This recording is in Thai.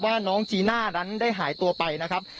ว่าน้องจีน่านั้นได้หายตัวไปนะครับ